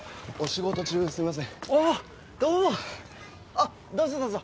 あっどうぞどうぞ。